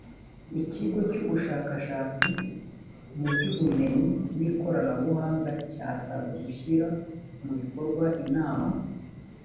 ikigo cy ubushakashatsi mu by ubumenyi n ikoranabuhanga cyasabwe gushyira mu bikorwa inama